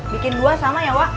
bikin buah sama ya wak